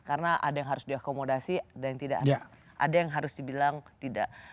karena ada yang harus diakomodasi dan ada yang harus dibilang tidak